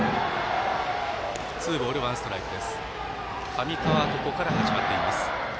上川床から始まっています。